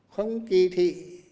không kì thị